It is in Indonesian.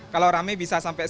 kalau rame bisa sampai lima kg